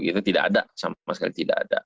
itu tidak ada sama sekali tidak ada